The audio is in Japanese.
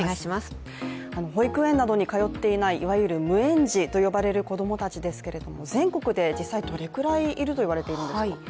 保育園などに通っていない、いわゆる無園児と呼ばれる子供たちですけれども全国で実際どれくらいいるといわれているんですか。